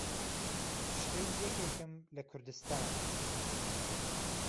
کوشتهی یهکێکم له کوردستانه